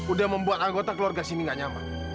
udah membuat anggota keluarga sini gak nyaman